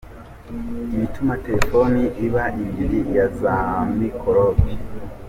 Ibi bituma telefoni iba indiri ya za mikorobe.